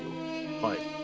はい。